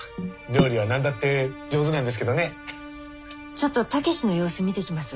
ちょっと武志の様子見てきます。